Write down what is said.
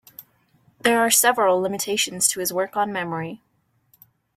There are several limitations to his work on memory.